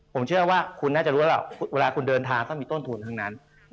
ผมเชื่อว่าคุณน่าจะรู้แล้วเวลาคุณเดินทางต้องมีต้นทุนทั้งนั้น